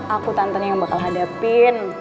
aku tante yang bakal hadapin